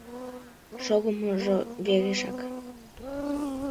Шогымыжо верешак.